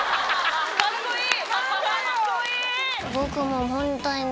カッコいい！